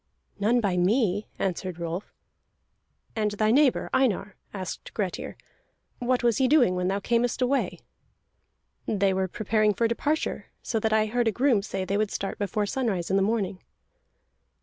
"None by me," answered Rolf. "And thy neighbor Einar," asked Grettir. "What was he doing when thou earnest away?" "They were preparing for departure, so that I heard a groom say they would start before sunrise in the morning."